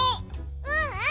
ううん。